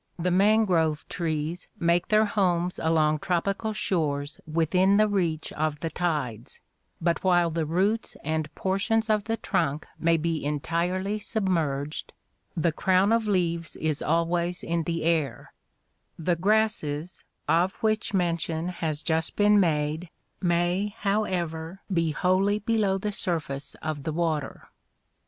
The mangrove trees make their homes along tropical shores within the reach of the tides, but while the roots and portions of the trunk may be entirely submerged, the crown of leaves is always in the air; the grasses of which mention has just been made may, however, be wholly below the surface of the water.